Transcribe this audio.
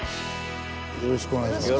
よろしくお願いします。